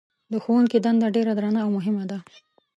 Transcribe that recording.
د ښوونکي دنده ډېره درنه او مهمه ده.